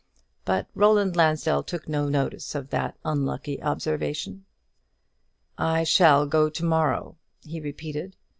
But Roland Lansdell took no notice of that unlucky observation. "I shall go to morrow," he repeated.